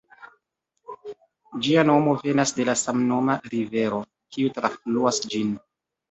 Ĝia nomo venas de la samnoma rivero, kiu trafluas ĝin.